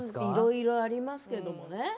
いろいろありますけどもね。